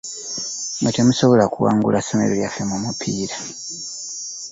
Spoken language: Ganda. Mwe temusobola kuwangula ssomero lyaffe mu mupiira.